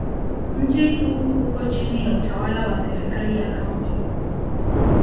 Mji huu uko chini ya utawala wa serikali ya Kaunti.